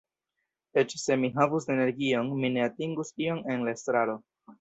Eĉ se mi havus energion, mi ne atingus ion en la estraro.